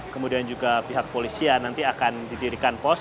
kemudian juga pihak polisian nanti akan didirikan pos